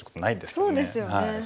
そうですよね。